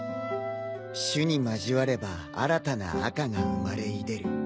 朱に交われば新たな赤が生まれいでる。